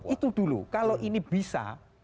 itu dulu kalau ini bisa